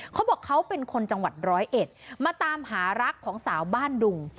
เขาบอกเขาเป็นคนจังหวัดร้อยเอ็ดมาตามหารักของสาวบ้านดุง